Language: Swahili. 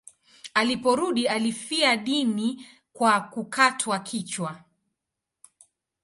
Aliporudi alifia dini kwa kukatwa kichwa.